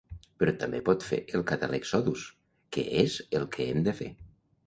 Però també pot fer el ‘Catalexodus’, que és el que hem de fer.